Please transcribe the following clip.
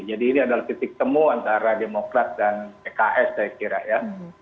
jadi ini adalah titik temu antara demokrat dan pks saya kira ya